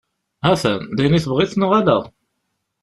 Hatan, d ayen i tebɣiḍ, neɣ ala?